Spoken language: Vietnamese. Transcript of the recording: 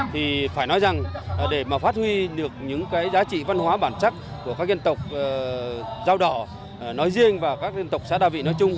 thì phải nói rằng để mà phát huy được những cái giá trị văn hóa bản chất của các dân tộc dao đỏ nói riêng và các dân tộc xã đa vị nói chung